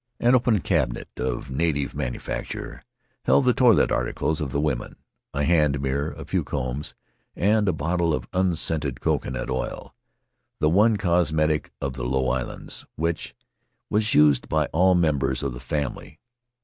An open cabinet of native manufacture held the toilet articles of the women — a hand mirror, a few combs, and a bottle of unscented coconut oil, the one cosmetic of the Low Islands, which was used by all members of the family.